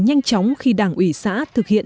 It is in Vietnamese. nhanh chóng khi đảng ủy xã thực hiện